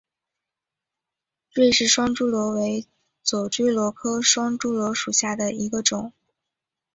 芮氏双珠螺为左锥螺科双珠螺属下的一个种。